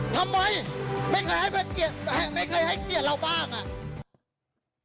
ทำไมไม่เคยให้เกียรติเราบ้างอ่ะ